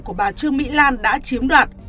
của bà trương mỹ lan đã chiếm đoạt